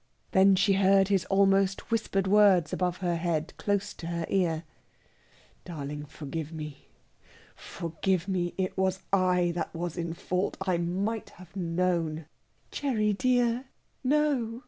Then she heard his almost whispered words above her head, close to her ear: "Darling, forgive me forgive me! It was I that was in fault. I might have known...." "Gerry, dear ... no!..."